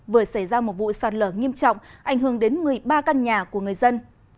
vừa xảy ra một vụ sạt lở nghiêm trọng ảnh hưởng đến một mươi ba căn nhà của người dân